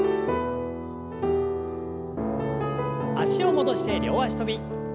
脚を戻して両脚跳び。